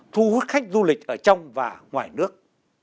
thu hút khách du lịch ở trong và ngoài nước